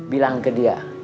bilang ke dia